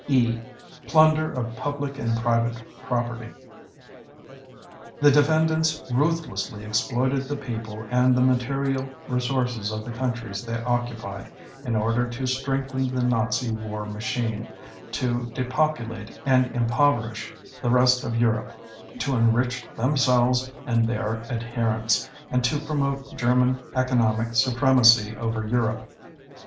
(E) PLUNDER OF PUBLIC AND PRIVATE PROPERTY The defendants ruthlessly exploited the people and the material resources of the countries they occupied, in order to strengthen the Nazi war machine, to depopulate and impoverish the rest of Europe, to enrich themselves and their adherents, and to promote German economic supremacy over Europe.